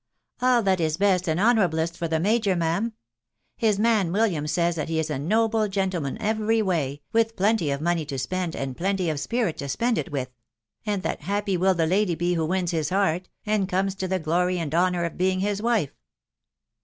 " All that is best and honourablest for the major, ma'am His man William says that he is a noble gentleman every way, with plenty of money to spend and plenty of spirit to spend it with ; and that happy will the lady be who wins his heart, and comes to the glory and honour of being his wife."